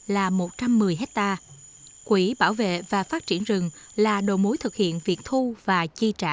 là một trăm một mươi hectare quỹ bảo vệ và phát triển rừng là đồ mối thực hiện việc thu và chi trả